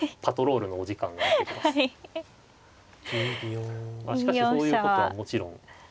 しかしそういうことはもちろん。